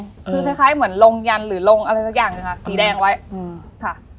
คือคล้ายคล้ายเหมือนลงยันหรือลงอะไรสักอย่างหนึ่งค่ะสีแดงไว้อืมค่ะ